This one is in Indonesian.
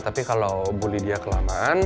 tapi kalau bu lydia kelamaan